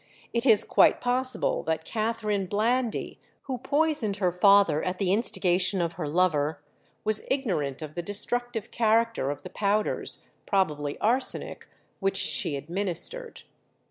It is quite possible that Catherine Blandy, who poisoned her father at the instigation of her lover, was ignorant of the destructive character of the powders, probably arsenic, which she administered.